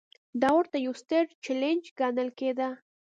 دا ورته یو ستر چلنج ګڼل کېده.